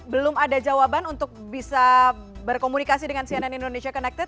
belum ada jawaban untuk bisa berkomunikasi dengan cnn indonesia connected